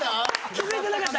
気づいてなかったんや。